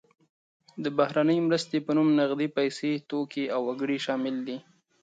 د بهرنۍ مرستې په نوم نغدې پیسې، توکي او وګړي شامل دي.